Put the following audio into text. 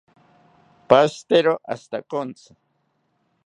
Pahitero ashitakontzi